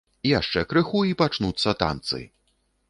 Яшчэ крыху і пачнуцца танцы.